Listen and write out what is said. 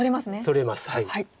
取れます。